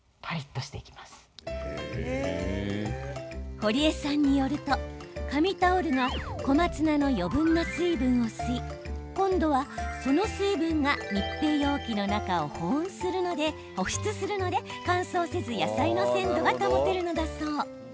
ほりえさんによると紙タオルが小松菜の余分な水分を吸い今度は、その水分が密閉容器の中を保湿するので乾燥せず野菜の鮮度が保てるのだそう。